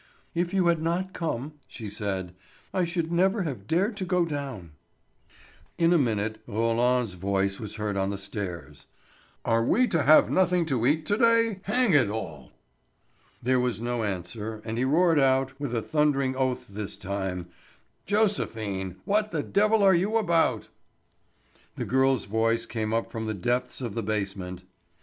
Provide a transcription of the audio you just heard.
"If you had not come," she said, "I should never have dared to go down." In a minute Roland's voice was heard on the stairs: "Are we to have nothing to eat to day, hang it all?" There was no answer, and he roared out, with a thundering oath this time: "Joséphine, what the devil are you about?" The girl's voice came up from the depths of the basement.